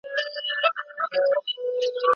حیات الله د ساعت هر ټک ته په پوره پام سره غوږ نیولی و.